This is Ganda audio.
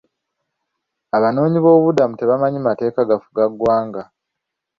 Abanoonyi boobubudamu tebamanyi mateeka gafuga ggwanga.